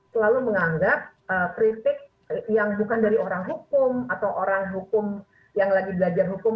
selalu menganggap kritik yang bukan dari orang hukum atau orang hukum yang lagi belajar hukum